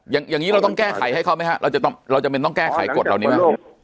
อย่างงี้เราต้องแก้ไขให้เขาไหมครับเราจะไม่ต้องแก้ไขกฎเหล่านี้นะครับ